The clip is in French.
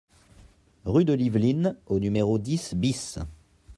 Rue de l'Yveline au numéro dix BIS